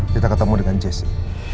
kita ketemu dengan jesse